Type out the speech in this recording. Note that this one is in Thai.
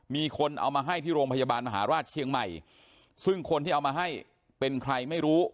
มีคนเอามาให้ที่โรงพยาบาลมหาราชเชียงใหม่ซึ่งคนที่เอามาให้เป็นใครไม่รู้